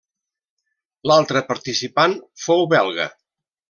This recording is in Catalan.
L'altre participant fou belga.